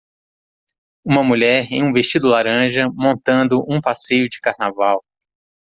Uma mulher em um vestido laranja, montando um passeio de carnaval.